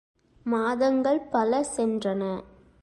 மாதங்கள் பல சென்றன.